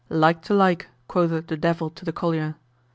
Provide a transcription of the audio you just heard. "Like to like," quoted the Devil to the collier.